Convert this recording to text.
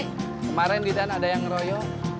kemarin di dan ada yang ngeroyok